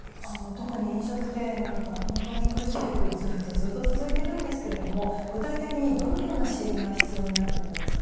特に飲食店なんかは本当に苦しい状況がずっと続いているんですけれども具体的にどのような支援が必要になってくるんですか。